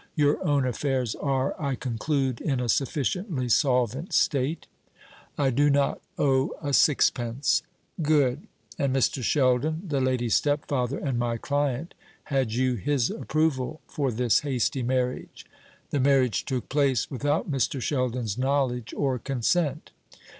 Your own affairs are, I conclude, in a sufficiently solvent state?" "I do not owe a sixpence." "Good; and Mr. Sheldon, the lady's stepfather and my client had you his approval for this hasty marriage?" "The marriage took place without Mr. Sheldon's knowledge or consent."